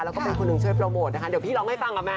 แล้วก็เป็นคนหนึ่งช่วยโปรโมทนะคะเดี๋ยวพี่ร้องให้ฟังกับแม่